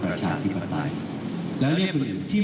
ประชาธิบัติแบบนี้